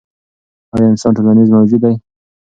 ایا انسان ټولنیز موجود دی؟